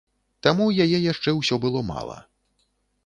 Таму яе яшчэ ўсё было мала.